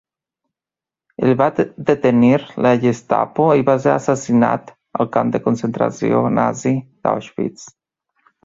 El va detenir la Gestapo i va ser assassinat al camp de concentració nazi d'Auschwitz.